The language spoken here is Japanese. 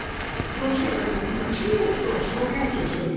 ロシアだけじゃなくて今、中国と主導権争いをしている。